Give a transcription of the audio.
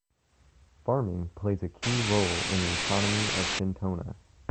Farming plays a key role in the economy of Fintona.